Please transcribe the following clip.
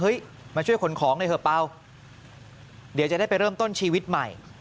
มาช่วยขนของหน่อยเถอะเปล่าเดี๋ยวจะได้ไปเริ่มต้นชีวิตใหม่